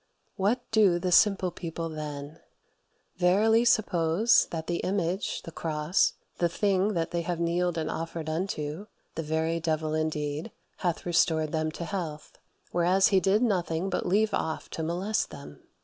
What do the simple people then? Verily suppose that the image, the cross, the thing that they have kneeled and offered unto (the very devil indeed) hath restored them health, whereas he did nothing but leave off to molest them.